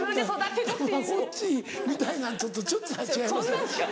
たまごっちみたいなちょっと違います？